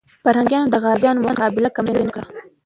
پرنګیان د غازيانو مقابله کمزوري نه کړه.